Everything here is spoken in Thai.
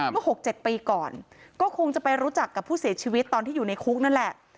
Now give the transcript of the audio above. เมื่อ๖๗ปีก่อนก็คงจะไปรู้จักกับผู้เสียชีวิตตอนที่อยู่ในคุกนั่นแหละ